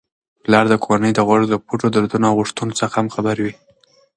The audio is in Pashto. پلار د کورنی د غړو د پټو دردونو او غوښتنو څخه هم خبر وي.